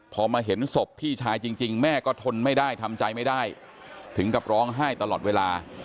พอมาเห็นศพพี่ชายจริงแม่ก็ทนไม่ได้ทำใจไม่ได้ถึงกับร้องไห้ตลอดเวลา